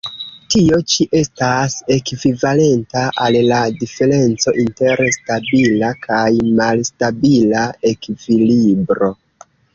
Tio ĉi estas ekvivalenta al la diferenco inter stabila kaj malstabila ekvilibro.